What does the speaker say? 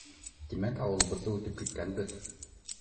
Тимәк, ауылыбыҙҙы үтеп киткәнбеҙ?!